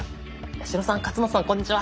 八代さん勝俣さんこんにちは。